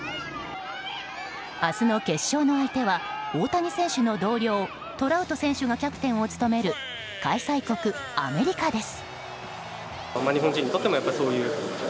明日の決勝の相手は大谷選手の同僚トラウト選手がキャプテンを務める開催国、アメリカです。